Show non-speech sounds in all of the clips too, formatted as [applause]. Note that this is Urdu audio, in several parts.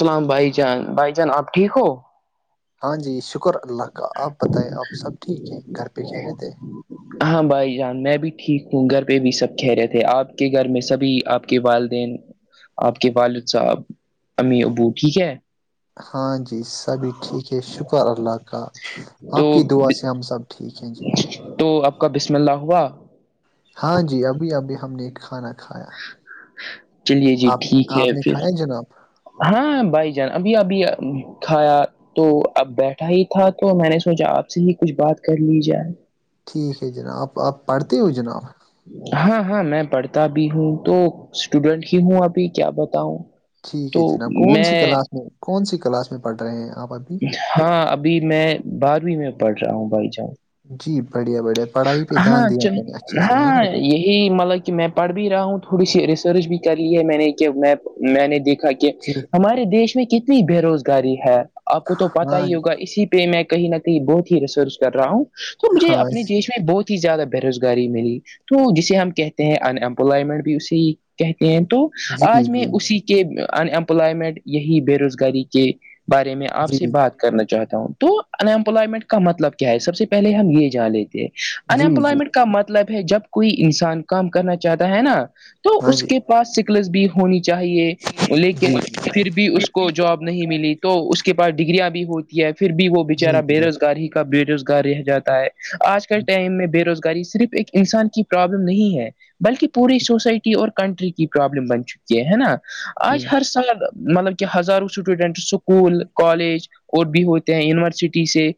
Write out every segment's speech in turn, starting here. سلام بھائی چان بھائی چان آپ ٹھیک ہو ہاں جی شکر اللہ کا آپ بتائیں آپ سب ٹھیک ہے گھر پہ کہہ رہے تھے ہاں بھائی جان میں بھی ٹھیک ہوں گھر پہ بھی سب کہہ رہے تھے آپ کے گھر میں سبھی آپ آ کے والدین آپ کے والد صاحب امی ابو ٹھیک ہے ہاں جی سبھی ٹھیک ہے شکر اللہ کا آپ تو کی دعا سے ہم سب ٹھیک ہیں جی تو کا بسم اللہ ہوا ہاں جی ابھی ابھی ہم نے ایک کھانا کھایا چلیے جی آپ ٹھیک ہے آپ نے پھر کھایا جناب ہاں بھائی جان ابھی ابھی کھیا تو اب بیٹھا ہی تھا تو میں نے سوچا آپ سے ہی کچھ بات کر لی جائے ٹھیک ہے جنابپ آپ پڑھتے ہو جناب ہاں ہاں میں پڑھتا بھی ہوں تو اسٹوڈینٹ ہی ہوں ابھی کیا بتاؤں ٹھیک ہے جناب کون سی کلاس میں کون سی کلاس میں پڑھ رہے ہیں آپ ابھی ہاں ابھی میں بارہویں میں پڑھ رہا ہوں بھائی جان جی بڑھیا بڑھیا پڑھائی پہ دھیان ہاں دیا چل کہیں اچھے سے ہے نا ہاں ج یہی مطلب کہ میں پڑھ بھی رہا ہوں تھوڑی سی ریسرچ بھی کر لی ہے میں نے کہ میں میں نے دیکھا کہ کہ جی ہمارے دیش میں کتنی بے روزگاری ہے آپ کو تو ہاں پتا ہی ہوگا اسی میں کہیں نہ کہیں بہت ہی ریسرچ کر رہا ہوں تو مجھے ہاں اپ اس میں بہت ہی زیادہ بےروزگاری ملی تو جسے ہم کہتے ہیں ان امپلائمنٹ بھی اسے کہتے ہیں تو جی جی آج میں جی اسی کے ان امپلائمنٹ یہی بے روزگاری کے بارے میں آپ جی سے بات کرنا چاہتا ہوں تو ان امپلائمنٹ کا مطلب کیا ہے سب سے پہے ہم یہ جانے تھ جی جی انمپلائمنٹ کا مطلب ہے جب کوئی انسان کام کرنا چاہتا ہے نا تو ہاں اس جی کے پاس سکلس بھی ہونی چاہیے جی لیکن پھر بھی اس کو کو جاب نہیں ملی تو اس کے پاس ڈگریاں بھی ہوتی ہے پھر بھی وہ جی بےچارا بے جی روزگار ہی بے روزگار رہ جاتا ہے آج کےل ٹائم میں بے روزگاری صرف ایک انسان کی پرابلم نہیں ہے بلکہ پوری سوسائٹی اور کنٹری کی پرابلم بن چکی کہ ہے نا جی آج ہر سال مطلب کہ ہزاروں اسٹوڈنٹ سکول کالج اور بھی ہوتے ہیں یونیورسٹی سے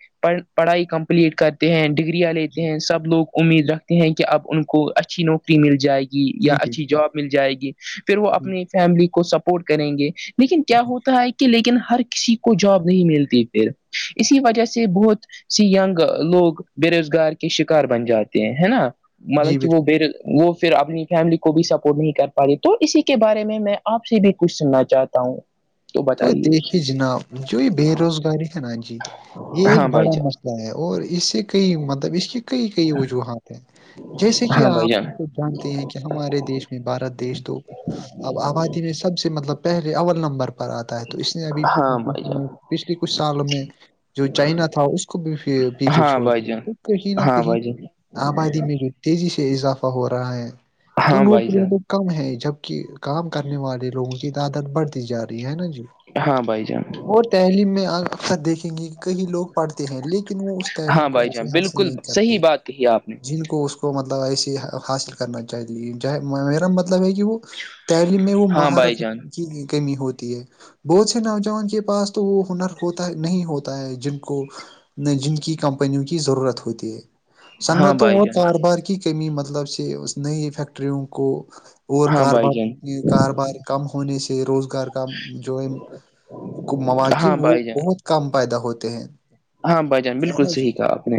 پڑھائی کمپلیٹ کرتے ہیں ڈگری والے ہیں سب لوگ امید رکھتے ہیں کہ اب ان کو اچھی نوکری مل جائے گی یا جی اچھی بالکل جاب مل جائے گی پھر وہ جی اپنی فیملی کو سپورٹ کریں گے لیکن کیا ہوتا ہے کہ لیکن ہر کسی کو جاب نہیں ملتی پھر اسی وجہ سے بہت سی گ لوگ بے روزگار کے شکار بن جاتے ہیں ہے نا جی مطلب کہ وہ بالکل ب وہ پھر اپنی فیملی کو بھی سپورٹ نہیں کر پا رہی تو اسی کے بارے میں میں آپ سے بھی کچھ سننا چاہتا ہوں تو دیکھیے جناب جو یہ بے روزگاری ہے نا جی یہ ایک ہاں بھائی بڑا جان مسئلہ اور اس سے کئی مطلب اس کی کئی کئی وجوہات ہیں جیسے کہ ہاں بھائی آپ جان ہم کو جانتے ہیں کیا ہمارے دیش میں بھارت دیش تو اب آبادی میں سب سے مطلب پہلے اول نمبر پر پر آتا ہے تو اس نے ابھی ہاں بھائی جان پچھلے کچھ سال میں جو چائنا تھا اس کو بھی پیچھے ہاں چھوڑ بھائی د جان تو کہیں نہ ہاں کہیں بھائی جان آبادی میں جو تیزی سے اضافہ ہو رہا ہے تو ہاں بھائی نوکریاں جان تو کم ہے جب کہ کام کرنے والے لوگوں کی تعدت بڑھتی جا رہی ہے نا جی ہاں بھائی جان وہ تعلیم میں اکثر دیکھیں گے کئی لوگ پڑھتے ہیں لیکن وہ اس ہاں تعلیم کو بھائی ایسے جان حاصل بالکل نہیں صحیح کرتے بات کہی آپ نے جن کو اس کو مطلب ایسے حاصل کرنا چاہیتی میرا مطلب ہے کہ وہ تعلیم میں وہ ہاں بھائی مہارت جان کی کمی ہوتی ہے بہت سے نوجوان کے پاس تو وہ ہنر ہوتا ہے نہیں ہوتا ہے جن کو نہیں جن کی کمپنیوں کی ضرورت ہوتی ہے ہاں صنعتوں بھائی اور جان کاروبار کی کمی مطلب سے اس نئی فیکٹریوں کو اور ہاں بھائی جان کاربار کاروبار کم ہونے سے روزگار جو ہے ہاں مواقعب وہ بھائی جان بہت کم پیدا ہوتے ہیں ہاں بھائی جان ہے بالکل نا جی صحیح کہا آپ نے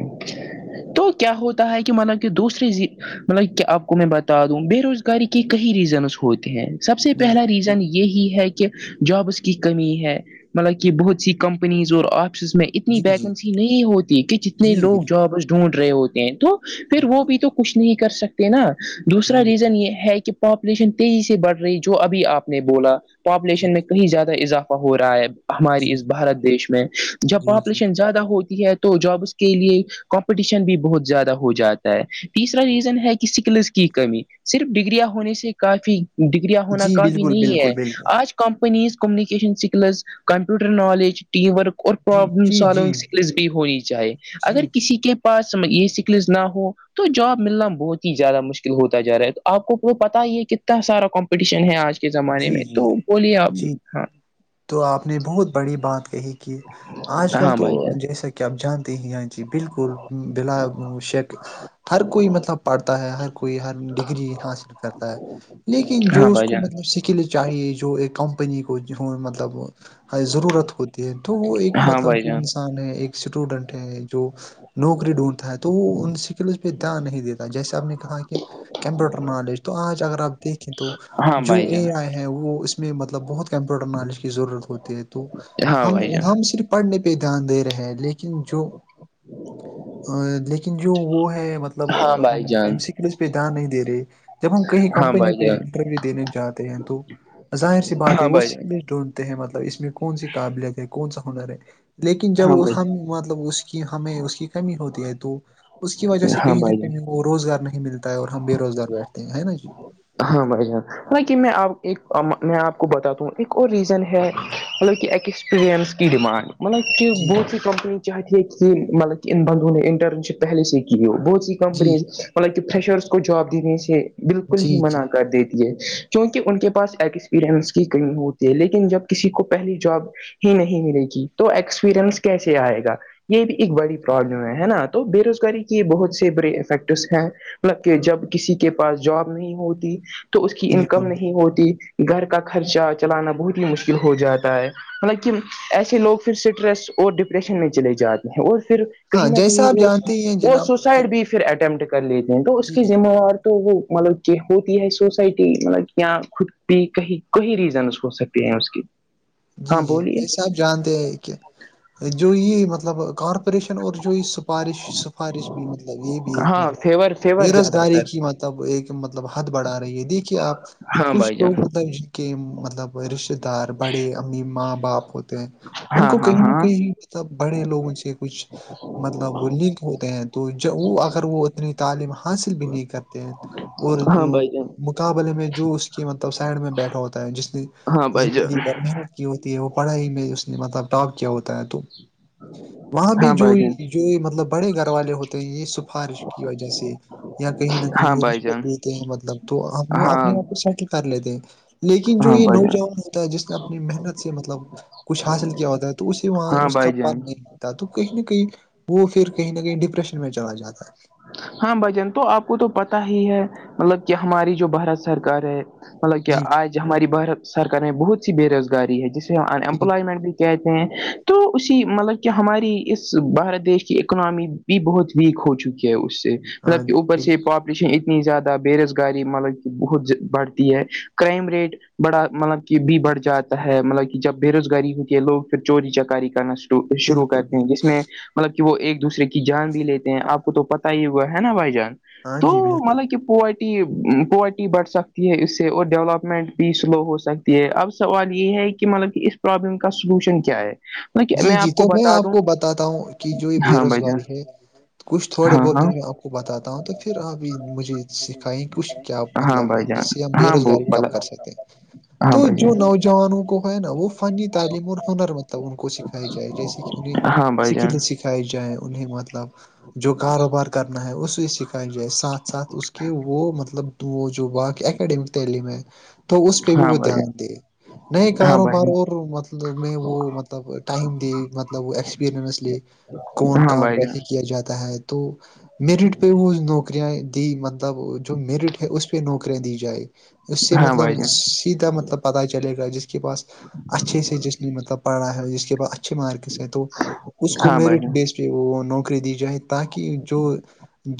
تو کیا ہوتا ہے کہ مطلب کہ دوسرری مطلب آپ کو میں بتا دوں بے روزار کے کئی ریزنس ہوتے ہیں سب سے جی پہلا ریزن یہی ہے کہ جابس کی کمی ہے مطلب کہ بہت سی کمپنیز اور آفسز میں اس جی جی ویکنسی نہیں ہوتی کہ جتنے جی لوگ بالکل جابس ڈھونڈ رہے ہوتے ہیں تو پھر جی وہ بھی تو کچھ نہیں کر سکتے نا دوسرا جی بالکل ریزن یہ ہے کہ پاپولیشن تیزی سے بڑھ رہی جو ابھی آپ نے بولا جی پاپولیشن میں کہیں زیادہ اضافہ ہو رہا ہے ہماری جی اس بھارت دیش میں جب جی جی پاپولیشن زیادہ ہوتی ہے تو جابس کے لیے کمپٹیشن بھی بہت زیادہ ہو جاتا ہے تیسرا ریزن ہے کہ سکلس کی کمی صرف ڈگریاں ہونے سے کافی ڈگریاں ہونا جی کافی بالکل نہیں ہے بالکل بالکل آج companies communication skills computer knowledge team work اور جی پرابلم جی جی سالونگ سکلس بھی ہونی چاہیے جی اگر کسی کے پاس یہ سکلز نہ ہو تو جاب ملنا بہت ہی زیادہ مشکل ہوتا جا رہا ہے تو آپ کو پتا ہی ہے کتنا سارا کمپٹیشن ہے آج کے زمانے جی میں جی تو بولیے آپ بھی جی ہاں تو آپ نے بہت بڑی بات کہی کہ آج کل ہاں تو بھائی جان جیسا کہ آپ جانتے ہی ج جی بالکل بلاا شک ہر کوئی مطلب پڑھتا ہے ہر کوئی ہر ڈگری حاصل کرتا ہے لیکن جو ہاں اس بھائی کو م جان سکل چاہیے جو ایک کمپنی کو مطلب ضرورت ہوتی تو وہ ایک ہاں مطلب بھائی جو جان انسان ہے ایک اسٹوڈنٹ ہے جو نوکری ڈھونڈتا ہے تو وہ ان اسکلز پہ دھیان نہیں دیتا جیسے آپ نے کہا کہ کمپیوٹر نالج تو آج اگر آپ دیکھیں تو ہاں بھائی جان ہیں وہ اس میں مطلب بہت کمپیوٹر نالج کی ضرورت ہوتی ہے تو ہاں ہم بھائی جان ہم صرف پڑھنے پہ دھیان دے رہے لیکن جو لیکن جو وہ ہے مطلب ہاں بھائی ہم جان سکلس پہ دھیان نہیں دے رہے جب ہم کہیں ہاں کمپنیوں بھائی پہ جان انٹرویو دینے جاتے ہیں تو ظاہر سی بات ہے ہاں وہ بھائی سک جان ڈون ہیں مطلب اس میں کون سی قابلت ہے کون سا ہنر ہے لیکن جب ہاں بھائی ہم مطلب اس کی ہمیں اس کی کمی ہوتی ہے تو اس کی وجہ سے ہاں کہیں نہ بھائی جان کہیں وہ روزگار نہیں ملتا ہے اور ہم بے روزگار بیٹھتے ہیں ہے نا جی ہاں بھ جان ہ کہ میں ایک میں آپ کو بتاتا ہوں ایک اور ریزن ہے مطلب کہ کی ڈیمانڈ مطلب کہ جی بہت سی کمپنی چاہتی ہے کہ مطلب کہ ان بندوں نے انٹرنشپ پہلے سے کی وہ بہ جی کمپنیز مطلب کہ فریشرس کو جاب دینے سے بالکل ہی جی جی منع کر دیتی کیونکہ ان کے پاس ایکسپیرئنس کی کئی ہوتی ہے لیکن جب کسی کو پہلی جاب ہی نہیں ملے گی تو ایکسپیرئنس کیسے آئے گا یہ بھی ایک بڑی پرابلم ہے نا تو بے روزگاری کے بہت سے بڑے افیکٹس ہیں مطلب کہ جب کسی کے پاس جاب نہیں ہوتی تو اس کی بالکل انکم نہیں بالکل ہوتی گھر کا خرچہ چلانا بہت ہی مشکل ہو جاتا ہے مطلب کہ ایسے لوگ پھر اسٹریس اور ڈپریشن میں چلے جاتے ہیں اور پھر ہاں کہیں نہ جیسا کہیں آپ وہ جانتے ہی ہیں وہ جناب کہ سوسائڈ بھی پھر اٹیمپٹ کر لیتے ہیں تو اس جی کی جی ذمہ وار تو وہ مطلب کہ ہوتی ہے سوسائٹی مطلب یا خود بھی کہیں کوی ریزنس ہو سکتے ہیں اس کی [inaudible] جی جی بولیے جیسا آپ جانتے ہیں کہ جو یہ مطلب کارپوریشن اور جو یہ س سفارش سفارش بھی مطلب یہ بھی ایک ہاں مطلب فیور بے فیور زیادہ روزگاری تر کی مطلب ایک مطلب حد بڑھا رہی ہے دیکھیے آپ ہاں کچھ بھائی ل جان مطلب کے مطلب رشتے دار بڑے امی ماں باپ ہوتے ہیں ان ہاں کو ہاں کہیں نہ ہاں کہیں سب بڑے لوگوں سے کچھ مطلب وہ لنک ہوتے ہیں تو وہ اگر وہ اتنی تعلیم حاصل بھی نہیں کرتے ہیں اور ہاں بھائی جان مقابلے میں جو اس کے مطلب سائڈ میں بیٹھا ہوتا ہے جس نے ہاں بھائی جان زندگی ب محنت کی ہوتی ہے وہ پڑھائی میں اس نے مطلب ٹاپ کیا ہوتا ہے تو وہاں ہاں بھیہ جو بھائی جان جو مطلب بڑے گھر والے ہوتے ہیں یہ سفارش کی وجہ سے یا کہیں نہ کہیں ہاں یہ بھائی رشوت جان دیتے ہیں مطلب تو ہم وہ ہاں اپنے آپ کو سیٹ کر لیتے ہیں لیکن جو ہاں یہ بھائی جان نوجوان ہوتا ہے جس نے اپنی محنت سے مطلب کچھ حاصل کیا ہوتا ہے تو اسے وہاں ہاں اس بھائی کا جان پن نہیں تو کہیں نہ کہیں وہ پھر کہیں نہ کہیں ڈپریشن میں چلا جاتا ہے ہاں بھجن تو آپ کو تو پتا ہی ہے مطلب کہ ہماری جو بھارت سرکار ہے مطلب کہ جی جی آج ہماری بھارت سرکار نے بہت سی بے روزگاری ہے جسے ہم ان جی امپلائمنٹ بھی کہتے ہیں تو اسی مطلب کہ ہماری اس بھارت دیش کی اکنامی بھی بہت ویک ہو چکی ہے اس سے ہاں مطلب کہ جی اوپر سے بالکل پاپ لیشن اتنی زیادہ بے روزگاری مطلب کہ بہت بڑھتی ہے کرائم ریٹ بڑا مطلب کہ بھی جی بڑھ جی جاتا ہے مطلب کہ جب بے روزگاری ہو کے لوگ پھر چوری چکاری کرنا شوع شروع بالکل کرتے ہیں بالکل جس میں مطلب کہ وہ ایک دوسرے کی جان بھی لیتے ہیں آپ پ تو پتہ ہی ہوا ہے نا بھائی جان ہاں تو جی بالکل مطلب کہ پو پاورٹی بڑھ سکتی ہے اس سے اور ڈیولپمنٹ بھی سلو ہو سکتی ہے اب سوال یہ ہے کہ کہ مطلب کہ اس پرابلم کا سولوشن کیا ہے مطلب کہ جی جی آپ کو تو میں بتا آپ دوں کو بتاتا ہوں کہ جو یہ بے ہاں بھائی جان روزگاری ہے کچھ تھوڑے ہاں بہت ہاں مجے میں آپ کو بتاتا ہوں تو پھر آپ یہ مجھے سکھائیں کچھ کیا ہاں مطلب ہے بھائی جس جان سے ہم بے ہاں ب روزگاری کم بلا کر سکتے ہیں ہاں تو بھائی جو جان نوجوانوں کو ہے نا وہ فنی تعلیم اور ہنر مطلب کو سکھائی جائے جیسے کہ انہیں ہاں بھائی جان سکل سکھائی جائےیں انہیں مطلب جو کاروبار کرنا ہے اس اس کا کہ جائے ساتھ ساتھ اس کے وہ مطلب وہ جو باقی اکیڈیمک تعلیم ہے تو اس پہ بھی ہاں وہ بھائی جان دھیان دے نئے ہاں بھائی کاروبار جان اور مطلب میں وہ مب مطلب ٹائم دے مطلب وہ ایکسپییرئنس لیے کون ہاں کام بھائی جان کیسے کیا جاتا ہے تو میرٹ پہ وہ نوکریاں دی مطلب جو میرٹ ہے اس پہ نوکری دی جائے اس سے ہاں مطلب بھائی جان تا مطلب پتا چلے گا جس کے پاس اچھے سے جس نے مطلب پڑا ہے جس کے پاس اچھا اچھے مارکس ہے تو اس کو ہاں بھائی میرٹ جان بیس پ وہ نوکری دی جائے تاکہ جو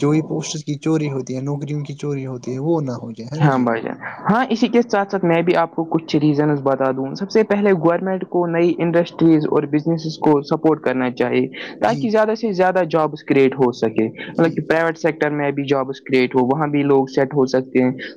جو یہ پوسٹ کی چوری ہوتی ہے نوکریوں کی چوری ہوتی ہے وہ نہ ہو جائے ہے نا ہاں جی بھائی جان ہاں اسی کے ساتھ ساتھ میں بھی آپ کو کچھ ریزنس بتا دوں سب سے پہلے گورنمنٹ کو کو نئی انڈسٹریز اور بزنسز کو سپورٹ کرنا چاہیے چاہیے جی تاکہ زیادہ سے زیادہ جابس کریٹ ہو سکے مطلب جی کہ جی پرائیویٹ سیکٹر میں بھی جابس کریئٹ ہو وہاں بھی لوگ سیٹ ہو سکتے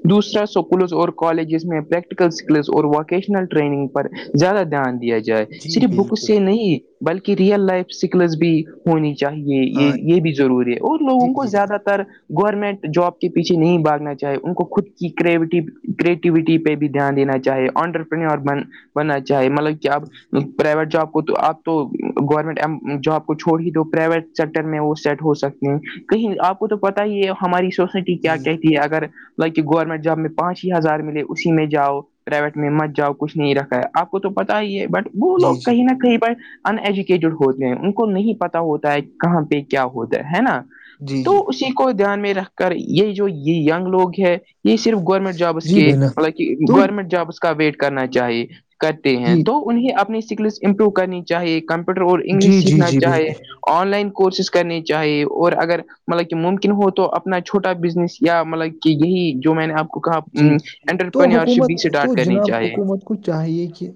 دوسرا اسکولز اور کالجز میں پریکٹیکل اسکلز اور ووکیشنل ٹریننگ پر زیادہ دھیان دیا جائے جی صرف بک بالکل سے نہیں بلکہ ریئل لائف سکلس بھی ہونی چاہیے ہاں یہ یہ بھی ضروری ہے اور جی لوگوں کو جی زیادہ جناب تر گورنمنٹ جاب کے پیچھے نہیں باگنا چ چاہے ان کو خود کی کرٹی کریٹوٹی پہ بھی دھیان دین چاہے آنڈرپنیور بن ہونا چاہیے مطلب کہ اب پرائیویٹ جاب کو تو آپ تو گورنمنٹ جاب کو چھوڑ ہی دو پرائیویٹ سیکٹر میں وہ سیٹ ہو سکتے ہیں کہیں آپ کو تو پتاہ ہی ہے ہماری سوسائٹی کیا جی کہتی ہے اگر لائک کہ گورنمنٹ جاب میں پانچ ہی ہزار ملے اسی میں جاؤ پرائیویٹ میں مت جاؤ کچھ نہیں رکھا ہے آپ کو تو پتا ہی ہے بٹ وہ جی لوگ کہیں نہ کہیں پر ان ایجوکیٹڈ ہوتے ہیں ان کو نہیں پتا ہوتا ہے کہاں پہ کیا ہوتا ہے ہے نا جی تو جی اسی کو دھیان میں رکھ کر یہ جو یہ گ لوگ ہے یہ صرف گورنمنٹ جابس جی کے بنا مطلب کہ تو گورنمنٹ جابس کا ویٹ کرنا چاہی کرتے جی ہیں تو انہیں اپنی اسکل امپروو کرنی چاہیے کمپیوٹر اور انگلش جی جی سیکھنا جی چاہیے بالکل آن لائن کورسز کرنی چاہیے اور اگر مطلب کہ ممکن ہو تو اپنا چھوٹا بزنس یا مطلب کہ یہی جو میں نے آپ کو کہا جی تو انٹرپرینور شپ حکومت بھی تو اسٹارٹ کرنی جناب چاہیے حکومت کو چاہیے کہ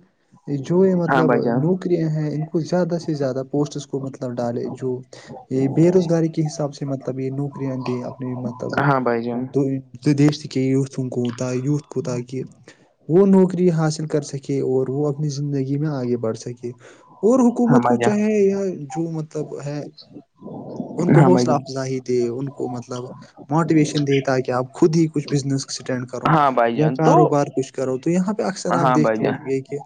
جو یہ ہاں مطلب بھائی جان نوکریاں ہیں ان کو زیادہ سے زیادہ پوسٹس کو مطلب ڈالے جو یہ بے روزگاری کے حساب سے مطلب یہ نوکریاں دے اپنی مطلب ہاں بھائی جان دیش ت کے یوتھ کوتاا وت کووتاا کہ وہ نوکری حاصل کر سکے اور وہ اپنی زندگی میں آگے بڑھ سکے اور ہاں حکومت کو بھائی جان چاہے یا جو مطلب ہے ان کو ہاں بھائی حوصلہ جان افزائی دے ان کو مطلب موٹیویشن دے تاکہ آپ خود ہی کچھ بزنس کرو ہاں بھائی یا جان تو کاروبار کچھ کرو تو یہاں پہ اکثر آپ ہاں بھائی دیکھتے ہو گ جان یہ کہ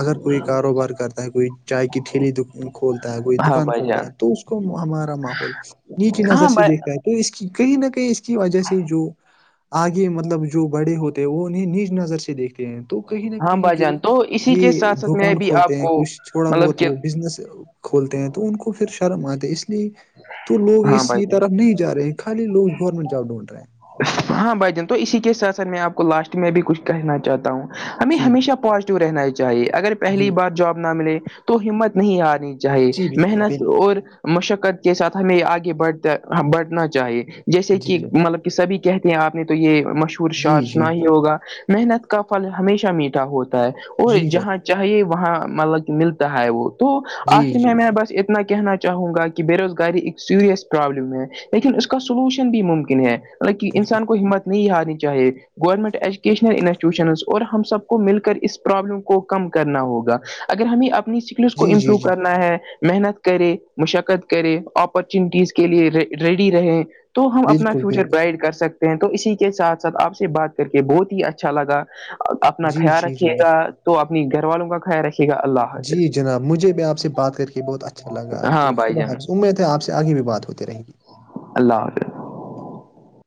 اگر کوئی کاروبار کرتا ہے کوئی چائے کی ٹھیلی کھولتا ہے کوئی ہاں دکان بھائی کھولتا جان ہے تو اس کو ہمارا ماحول نیچی نظر ہاں سے بھائی دیکھتا ہے تو اس کی کہیں نہ کہیں اس کی وجہ سے جو مطلب جو بڑے ہوتے ہیں وہ انہیں نیچ نظر سے دیکھے تو کہیں نہ ہاں کہیں بھائی جو جان تو اسی کے یہ ساتھ ساتھ میں دکان بھی کھولتے آپ ہیں کو کچھ تھوڑا مطلب بہت کہ وہ بزنس کھولتے ہیں تو ان کو پھر شرم آتے اس لیے تو لوگ ہاں بھائی اسی جان طرف نہیں جا رہے خالی لو گورنمٹ جاب ڈھونڈ رہ ہیں ہاں بھ جان تو اسی کے سھ ساتھ میں آپ کو لاسٹ میں بھی کچھ کہنا چاہتا ہوں ہمیں جی جی ہمیشہ پازیٹیو رہنا ہی چاہیے اگر جی پہلی بار جاب نہ ملے تو ہمت نہیں آنی چاہیے جی بالکل محنت بالکل اور مشقت کے ساتھ ہمیں آگے بڑھتا بڑھنا چاہیے جیسے جی کہ جناب مطلب کہ سبھی کہتے ہیں آپ نے تو یہ مشہور جی شعر جی سنا ہی ہوگا محنت کا پھل ہمیشہ میٹھا ہوتا ہے اور جی ج جہاں چاہیے وہاں مطلب کہ ملتا ہے وہ تو جی آخر جی میں میں بس اتنا کہنا چاہوں گا کہ بے روزگاری ایک سیریس پرابلم ہے لیکن اس کا سولوشن بھی ممکن ہے مطلب جی انسان کو ہمت نہیں ہارنی چاہے گورنمنٹ ایجوکیشنل انسٹیٹیوشن اور ہم سب کو مل کر اس پرابلم کو کم کرنا ہوگا اگر ہمیں اپنی سکلس کو جی جی امپرو جی کرنا ہے محنت کرے مشقت کرے اپرچونیٹیز کے لیے ریڈی رہیں تو ہم اپنا بالکل فیوچر بالکل برائٹ کر سکتے ہیں تو اسی کے ساتھ ساتھ آپ سے بات کر کے بہت ہی اچھا لگا اپنا جی خیال جی رکھیے جناب گا تو اپنی گھر والوں کا خیال رکھے گا اللہ جی حافظ جناب مجھے بھی آپ سے بات کر کے بہت اچھا لگا ہاں تو بھائی خدا جان حاظ امید ہے آپ سے آگے بھی بات ہوتی رہے گی اللہ حافظ